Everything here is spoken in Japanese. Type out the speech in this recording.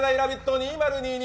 ２０２２」